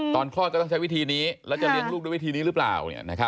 คลอดก็ต้องใช้วิธีนี้แล้วจะเลี้ยงลูกด้วยวิธีนี้หรือเปล่า